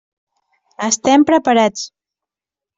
Estem preparats.